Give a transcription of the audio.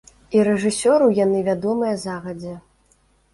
І рэжысёру яны вядомыя загадзя.